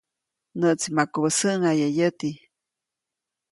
‒Näʼtsi makubä säʼŋaye yäti‒.